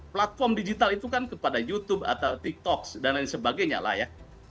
platform digital itu kan kepada youtube atau tiktok dan lain sebagainya lah ya